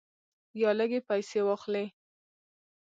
یا لږې پیسې واخلې.